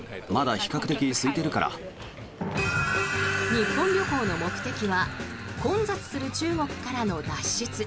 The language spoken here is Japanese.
日本旅行の目的は混雑する中国からの脱出。